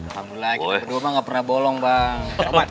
alhamdulillah kita berdua ga pernah bolong bang